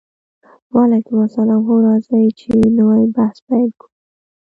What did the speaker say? وعلیکم السلام هو راځئ چې نوی بحث پیل کړو